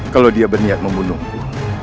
kalau dia berniat membunuhku